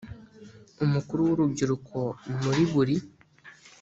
umukuru w urubyiruko muri buri